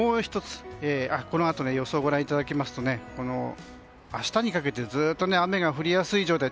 このあとの予想をご覧いただきますと明日にかけてずっと雨が降りやすい状態。